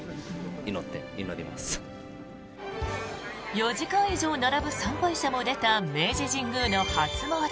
４時間以上並ぶ参拝者も出た明治神宮の初詣。